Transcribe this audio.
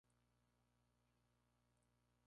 Nuestra eterna gratitud Maestro.